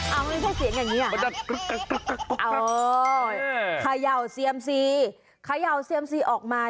เอ้ามันไม่ใช่เสียงอย่างนี้หรอคะ